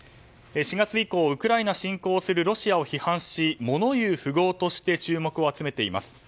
４月以降、ウクライナ侵攻をするロシアを批判し物言う富豪として注目を集めています。